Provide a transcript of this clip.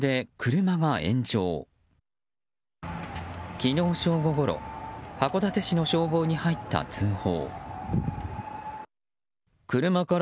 昨日正午ごろ函館市の消防に入った通報。